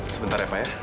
sebentar ya pak ya